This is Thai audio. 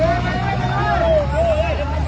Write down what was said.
อันนี้ก็มันถูกประโยชน์ก่อน